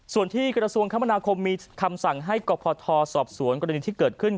ส่วนที่กระทรวงคมนาคมมีคำสั่งให้กรพทสอบสวนกรณีที่เกิดขึ้น